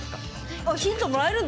あっヒントもらえるんだ。